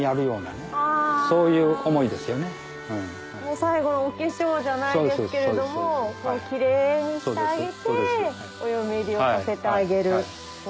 最後のお化粧じゃないですけれどもキレイにしてあげてお嫁入りをさせてあげる。